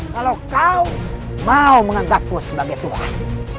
kalau kau mau menganggapku sebagai tuhan